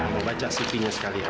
pebaca sipinya sekali ya